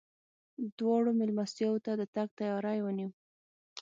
دواړو مېلمستیاوو ته د تګ تیاری ونیو.